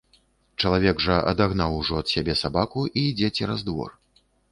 Чалавек жа адагнаў ужо ад сябе сабаку і ідзе цераз двор.